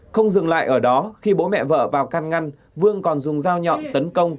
không dừng lại ở đó khi bố mẹ vợ vào can ngăn vương còn dùng dao nhọn tấn công